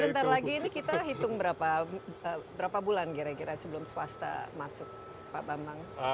sebentar lagi ini kita hitung berapa bulan kira kira sebelum swasta masuk pak bambang